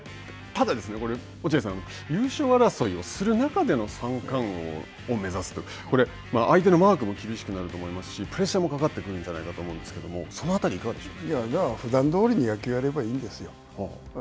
ただ、落合さん、優勝争いをする中での三冠王を目指すこれは相手のマークも厳しくなると思いますし、プレッシャーもかかってくるんじゃないかと思うんですけれどもだから、ふだんどおり野球をやればいいんですよ。